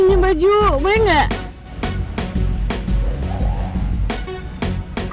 jujur boleh gak